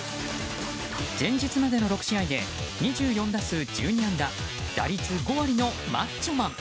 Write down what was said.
前日までの６試合で２４打数１２安打打率５割のマッチョマン。